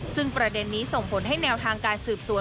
ซึ่งประเด็นนี้ส่งผลให้แนวทางการสืบสวน